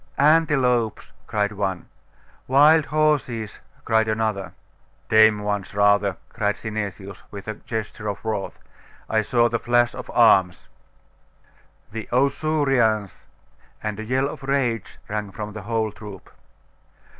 'Antelopes!' cried one. 'Wild horses!' cried another. 'Tame ones, rather!' cried Synesius, with a gesture of wrath. 'I saw the flash of arms!' 'The Ausurians!' And a yell of rage rang from the whole troop.